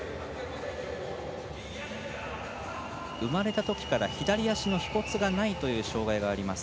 生まれたときから左足のひ骨がないという障がいがあります。